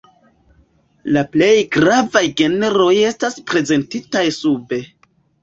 La plej gravaj genroj estas prezentitaj sube.